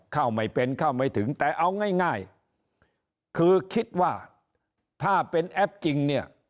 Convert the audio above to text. เข้าไม่เป็นเข้าไม่ถึงแต่เอาง่ายคือคิดว่าถ้าเป็นแอปจริงเนี่ย